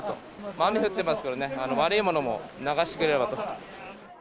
雨降ってますけどね、悪いものも流してくれればと。